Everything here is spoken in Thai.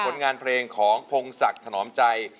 ผลงานเพลงของพงศักดิ์ถนอมใจ